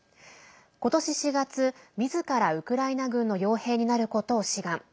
ことし４月、みずからウクライナ軍のよう兵になることを志願。